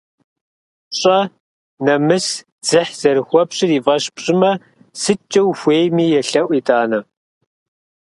Пщӏэ, нэмыс, дзыхь зэрыхуэпщӏыр и фӏэщ пщӏымэ, сыткӏэ ухуейми елъэӏу итӏанэ.